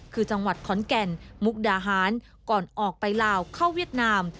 คือจังหวัดขอนแก่นมุกดาหารก่อนออกไปลาวเข้าเวียดนาม